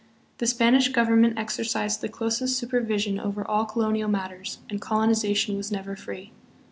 The Spanish government exercised the closest supervision over all colonial matters, and colonization was never free.